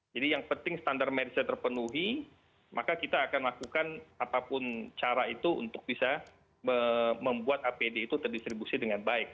jadi yang penting standar medisnya terpenuhi maka kita akan lakukan apapun cara itu untuk bisa membuat apd itu terdistribusi dengan baik